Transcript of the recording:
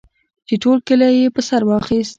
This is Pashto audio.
چې ټول کلی یې په سر واخیست.